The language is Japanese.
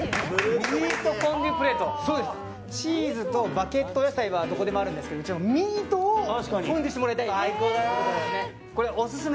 チーズとバケット、野菜はどこでもあるんですけどうちはミートをフォンデュしてもらいます。